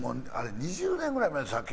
２０年ぐらい前。